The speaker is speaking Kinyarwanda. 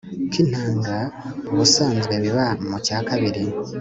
k'intanga, ubusanzwe biba mu cyakabiri